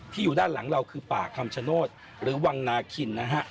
อยู่ด้านหลังเราคือป่าคำชโนธหรือวังนาคินนะฮะ